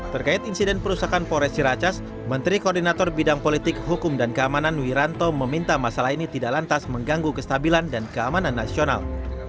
terkait insiden perusahaan polres ciracas menteri koordinator bidang politik hukum dan keamanan wiranto meminta masalah ini tidak lantas mengganggu kestabilan dan keamanan nasional